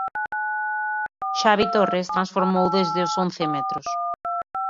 Xavi Torres transformou desde os once metros.